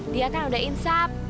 dia kan udah insap